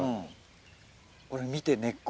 これ見て根っこ。